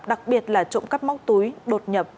đặc biệt là trộm cắp móc túi đột nhập